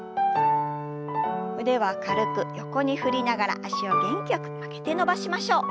腕は軽く横に振りながら脚を元気よく曲げて伸ばしましょう。